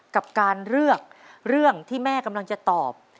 กับการเลือกเรื่องที่แม่กำลังจะตอบ